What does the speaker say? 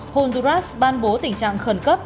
honduras ban bố tình trạng khẩn cấp